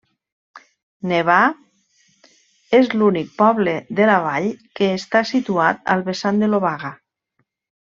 Nevà és l'únic poble de la vall que està situat al vessant de l'obaga.